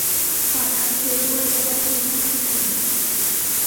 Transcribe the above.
ฝากทักเคด้วย บอกว่าชีโม่คิดถึง